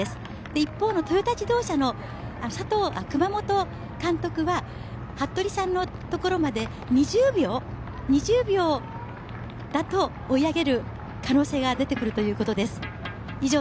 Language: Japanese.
一方のトヨタ自動車の熊本監督は服部さんのところまで２０秒だと追い上げる可能性が出てくるということです。